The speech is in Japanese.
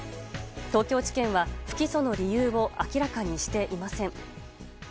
東京地検は、不起訴の理由を明らかにしていません。